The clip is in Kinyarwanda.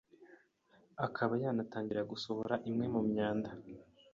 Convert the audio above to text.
akaba yanatangira gusohora imwe mu myanda.